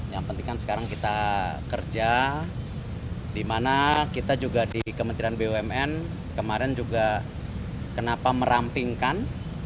yang penting kan sekarang kita kerja di mana kita juga di kementerian bumn kemarin juga kenapa merampingkan